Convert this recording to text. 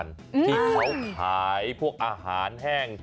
ที่เขาขายพวกอาหารแห้ง